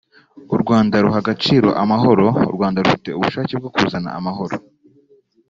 “u Rwanda ruha agaciro amahoro; u Rwanda rufite ubushake bwo kuzana amahoro